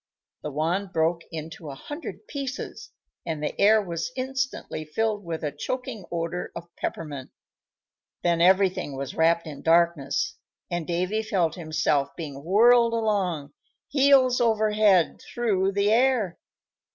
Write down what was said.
The wand broke into a hundred pieces, and the air was instantly filled with a choking odor of peppermint; then everything was wrapped in darkness, and Davy felt himself being whirled along, heels over head, through the air.